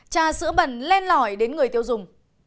trà sữa bẩn lên lõi đến người tiêu dùng